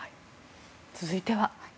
続いては。